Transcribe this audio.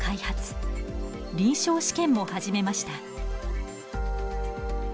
臨床試験も始めました。